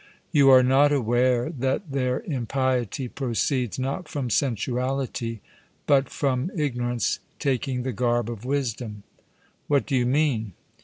You are not aware that their impiety proceeds, not from sensuality, but from ignorance taking the garb of wisdom. 'What do you mean?'